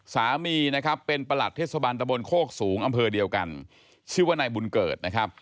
สามีนะครับเป็นประหลัดเทศบาลตะบนโคกสูงอำเภอเดียวกันชื่อว่านายบุญเกิดนะครับ